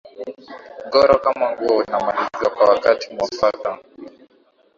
goro kama huo unamalizwa kwa wakati mwafaka